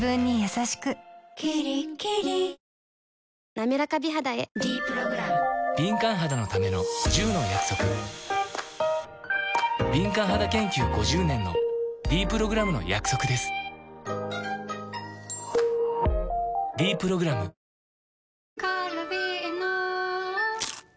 なめらか美肌へ「ｄプログラム」敏感肌研究５０年のｄプログラムの約束です「ｄプログラム」カルビーのパリッ！